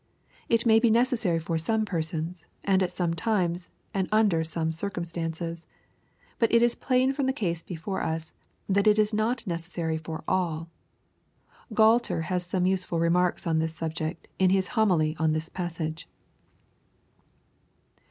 It may be necessary for some persons, and at some times, and under some circumstances. But it is plain from the case before us, that it is not necessary for all. Gualter has some usefril remarks on this subject^ in his Homily on this passage.